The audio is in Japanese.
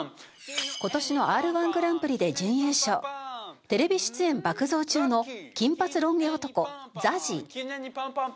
今年のＲ−１グランプリで準優勝テレビ出演爆増中の金髪ロン毛男ＺＡＺＹ。